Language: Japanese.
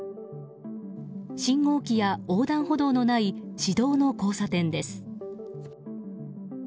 信号機や横断歩道のない市道の交差点です。